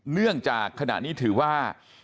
เนื่องจากขณะนี้ถือว่า